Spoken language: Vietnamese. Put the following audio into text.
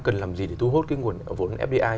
cần làm gì để thu hút cái nguồn vốn fdi